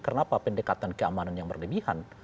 kenapa pendekatan keamanan yang berlebihan